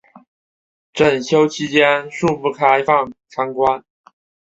整修期间恕不开放参观